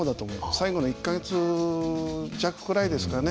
最後の１か月弱くらいですかね。